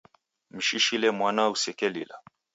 Mshishile mwana usekelila.